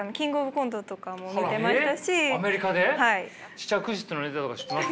試着室のネタとか知ってます？